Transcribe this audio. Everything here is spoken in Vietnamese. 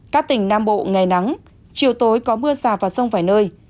các tỉnh nam bộ ngày nắng chiều tối có mưa rào và rông vài nơi